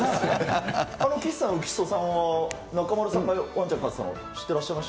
岸さん、浮所さんは中丸さんがワンちゃん飼ってたの知ってらっしゃいました？